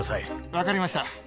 分かりました。